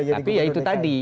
tapi ya itu tadi